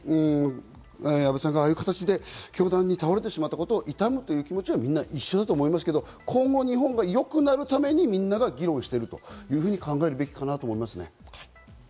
安倍さんがああいう形で凶弾に倒れてしまったことを悼むという気持ちは、みんな一緒だと思うんだけれども、日本がよくなるためにみんなが議論をしていると考えるべきかなと思いますね。